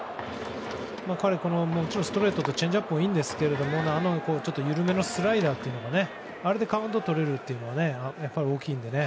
彼、もちろんストレートとチェンジアップもいいんですが緩めのスライダーというのがあれでカウントを取るというのがやっぱり大きいので。